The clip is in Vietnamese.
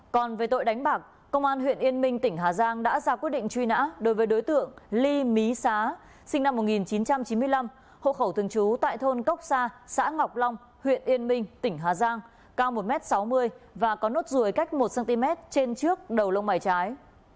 còn về tội đánh bạc công an huyện yên minh tỉnh hà giang đã ra quyết định truy nã đối với đối tượng ly mí xá sinh năm một nghìn chín trăm chín mươi năm hộ khẩu thường trú tại thôn cốc sa xã ngọc long huyện yên minh tỉnh hà giang cao một m sáu mươi và có nốt ruồi cách một cm trên trước đầu lông bài trái